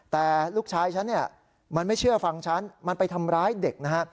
แต่ลูกชายฉันเนี่ยมันไม่เชื่อฟังฉันมันไปทำร้ายเด็กนะฮะ